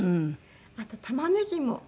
あと玉ねぎも。